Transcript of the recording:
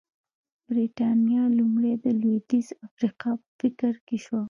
برېټانیا لومړی د لوېدیځې افریقا په فکر کې شوه.